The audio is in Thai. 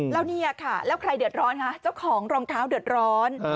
แล้วเนี่ยค่ะแล้วใครเดือดร้อนคะเจ้าของรองเท้าเดือดร้อน